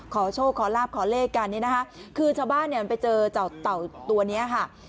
ขอโชคขอลาบขอเลขกันเนี่ยนะคะคือชาวบ้านเนี่ยมันไปเจอเจ้าเต่าตัวนี้ค่ะ